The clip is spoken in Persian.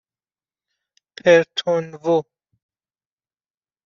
پرتونوو